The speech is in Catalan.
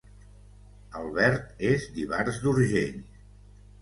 Albert és d'Ivars d'Urgell